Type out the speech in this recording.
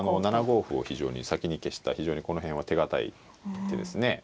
７五歩を先に消した非常にこの辺は手堅い一手ですね。